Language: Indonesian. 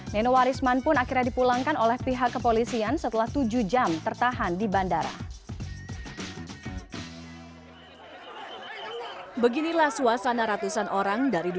nenowarisman pun akhirnya dipulangkan oleh pihak kepolisian setelah tujuh jam tertahan di bandara